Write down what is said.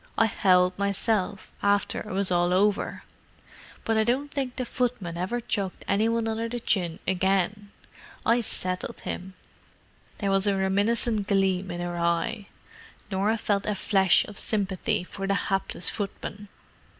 "I howled myself, after it was all over. But I don't think the footman ever chucked any one under the chin again. I settled him!" There was a reminiscent gleam in her eye: Norah felt a flash of sympathy for the hapless footman.